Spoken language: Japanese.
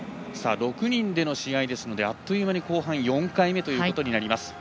６人での試合ですのであっという間に後半４回目ということになります。